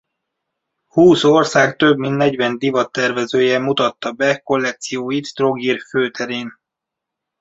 Húsz ország több mint negyven divattervezője mutatta be kollekcióit Trogir főterén.